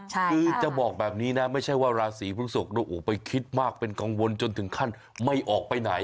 คือจะบอกแบบนี้นะไม่ใช่ว่าราศีพฤศกไปคิดมากเป็นกังวลจนถึงขั้นไม่ออกไปไหน